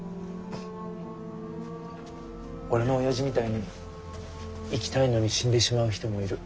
俺のおやじみたいに生きたいのに死んでしまう人もいる。